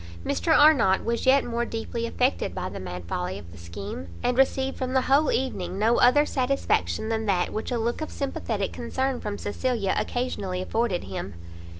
Mr Arnott was yet more deeply affected by the mad folly of the scheme, and received from the whole evening no other satisfaction than that which a look of sympathetic concern from Cecilia occasionally afforded him.